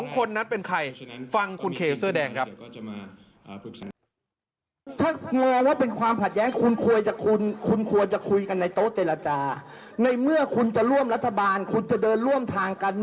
๒คนนั้นเป็นใครฟังคุณเคเสื้อแดงครับ